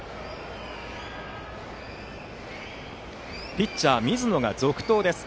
ピッチャー、水野が続投です。